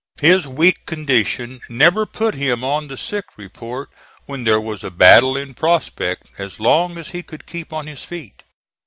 His weak condition never put him on the sick report when there was a battle in prospect, as long as he could keep on his feet.